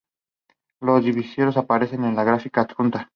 Las divisiones aparecen en la gráfica adjunta.